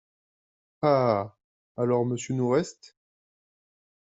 Ah ! alors monsieur nous reste…